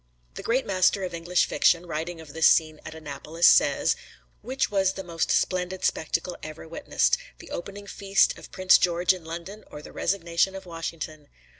The great master of English fiction, writing of this scene at Annapolis, says: "Which was the most splendid spectacle ever witnessed the opening feast of Prince George in London, or the resignation of Washington?